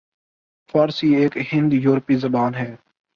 فارسی ایک ہند یورپی زبان ہے